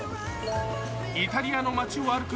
イタリアの街を歩く